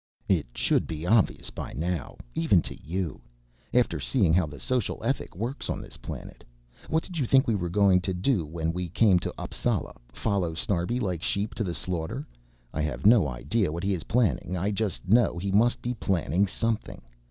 "It should be obvious by now even to you after seeing how the social ethic works on this planet. What did you think we were going to do when we came to Appsala follow Snarbi like sheep to the slaughter? I have no idea what he is planning. I just know he must be planning something.